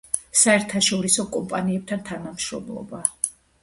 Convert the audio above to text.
საერთაშორისო კომპანიებთან თანამშრომლობა.